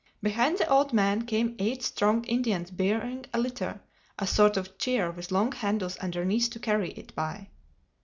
Behind the old man came eight strong Indians bearing a litter, a sort of chair with long handles underneath to carry it by.